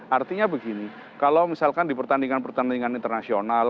artinya begini kalau misalkan di pertandingan pertandingan internasional